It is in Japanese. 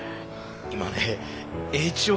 今ねＨ置